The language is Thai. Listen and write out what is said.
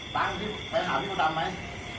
ตังค์ที่ไปหาพี่โบดำไหม